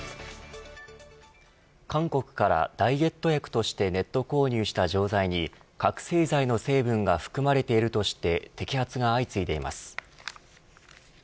韓国からダイエット薬としてネット購入した錠剤に覚せい剤の成分が含まれているとして摘発が相次いでいます。